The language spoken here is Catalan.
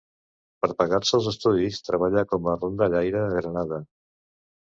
Per pagar-se els estudis treballà com a rondallaire a Granada.